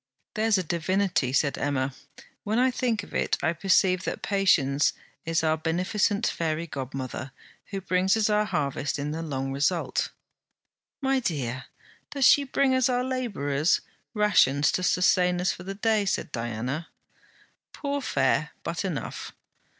'There's a divinity...' said Emma. 'When I think of it I perceive that Patience is our beneficent fairy godmother, who brings us our harvest in the long result.' 'My dear, does she bring us our labourers' rations, to sustain us for the day?' said Diana.' 'Poor fare, but enough.'